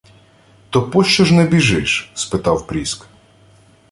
— То пощо ж не біжиш? — спитав Пріск.